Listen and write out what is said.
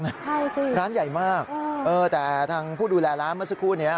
ใช่สิร้านใหญ่มากแต่ทางผู้ดูแลร้านเมื่อสักครู่นี้